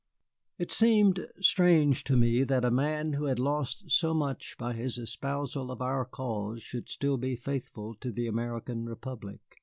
It seemed strange to me that a man who had lost so much by his espousal of our cause should still be faithful to the American republic.